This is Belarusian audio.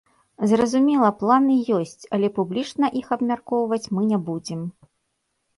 Зразумела, планы ёсць, але публічна іх абмяркоўваць мы не будзем.